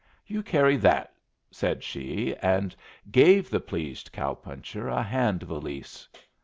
"You carry that," said she, and gave the pleased cow puncher a hand valise.